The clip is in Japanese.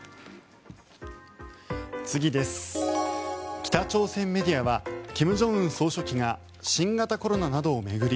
北朝鮮メディアは金正恩総書記が新型コロナなどを巡り